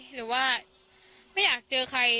หรือว่าไม่อยากเจอใคร